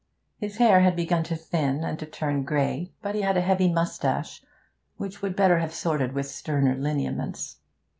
His hair had begun to thin and to turn grey, but he had a heavy moustache, which would better have sorted with sterner lineaments.